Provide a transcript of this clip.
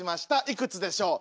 いくつでしょう。